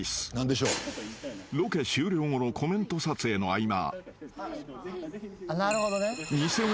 ［ロケ終了後のコメント撮影の合間］